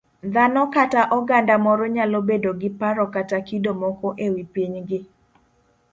Dhano kata oganda moro nyalo bedo gi paro kata kido moko e wi pinygi.